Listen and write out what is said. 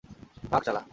ভাগ, শালা।